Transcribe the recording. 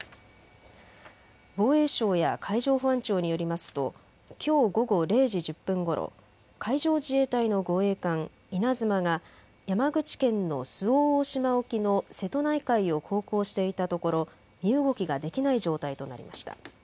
防衛省や海上保安庁によりますときょう午後０時１０分ごろ、海上自衛隊の護衛艦いなづまが山口県の周防大島沖の瀬戸内海を航行していたところ身動きができない状態となりました。